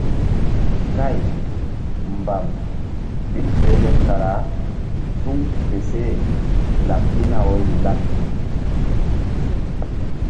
Kay mbam ɓil belem kara suŋ ke seh laɓ pihna woyri laɓ.